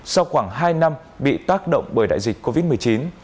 sau khoảng hai năm bị tác động bởi đại dịch covid một mươi chín